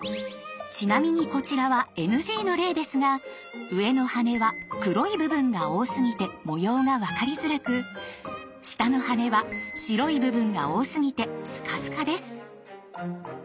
ちなみにこちらはＮＧの例ですが上の羽は黒い部分が多すぎて模様がわかりづらく下の羽は白い部分が多すぎてスカスカです。